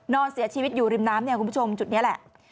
นอนเสียชีวิตอยู่ริมน้ำเนี่ยคุณผู้ชมจุดนี้แหละ